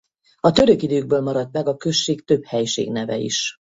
A török időkből maradt meg a község több helységneve is.